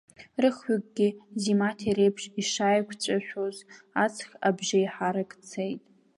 Рыхҩыкгьы ӡи-маҭи реиԥш ишааиқәҵәашоз, аҵх абжеиҳарак цеит.